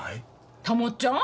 たもっちゃん？